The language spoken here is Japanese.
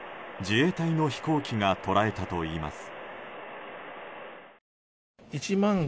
自衛隊の飛行機が捉えたといいます。